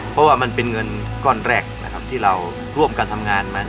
เพราะว่ามันเป็นเงินก้อนแรกที่เราร่วมกันทำงานมา